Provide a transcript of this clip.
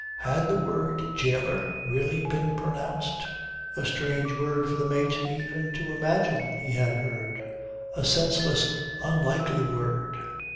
Had the word "jailer" really been pronounced? A strange word for the mate to even imagine he had heard. A senseless, unlikely word.